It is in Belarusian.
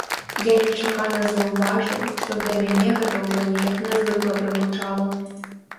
Я нечакана заўважыў, што для мяне гэта ўжо неяк нязвыкла прагучала.